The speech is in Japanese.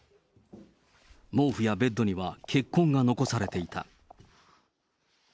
毛布やベッドには血痕が残されていた。